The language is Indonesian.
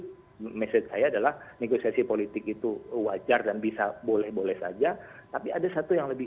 hai mesir saya adalah negosiasi politik itu wajar dan bisa boleh boleh saja tapi ada satu yang lebih